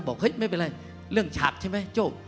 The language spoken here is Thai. เฮ้ยไม่เป็นไรเรื่องฉากใช่ไหมโจ้